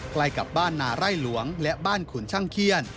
ใกล้กับบ้านนาไร่หลวงและบ้านขุนช่างเขี้ยน